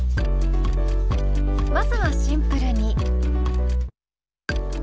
まずはシンプルに。